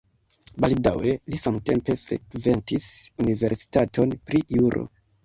Baldaŭe li samtempe frekventis universitaton pri juro.